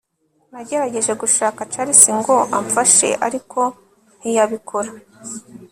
Nagerageje gushaka Charles ngo amfashe ariko ntiyabikora